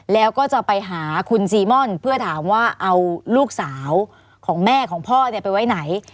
แล้วก็จะไปหาคุณซีม่อนเพื่อถามว่าเอาลูกสาวของแม่ของพ่อเนี่ยไปไว้ไหน